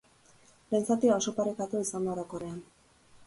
Lehen zatia oso parekatu izan da orokorrean.